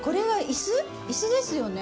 椅子ですよね。